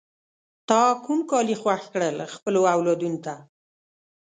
تا کوم کالی خوښ کړل خپلو اولادونو ته؟